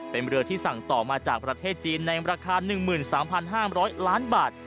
เป็นเรือที่สั่งต่อมาจากประเทศจีนในราคา๑๓๕๐๐ล้านบาท